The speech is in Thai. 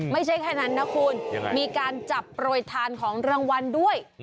ไม่ใช่แค่นั้นนะคุณมีการจับโปรยทานของรางวัลด้วย